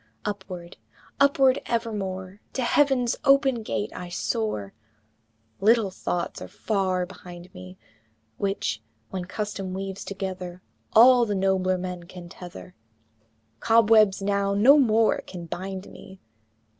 II. Upward! upward evermore, To Heaven's open gate I soar! Little thoughts are far behind me, Which, when custom weaves together, All the nobler man can tether Cobwebs now no more can bind me!